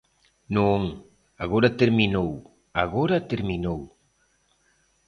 Non, agora terminou, agora terminou.